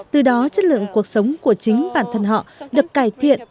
từ đó chất lượng cuộc sống của chính bản thân họ được cải thiện